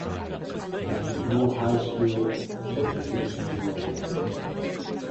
There was no high school education available.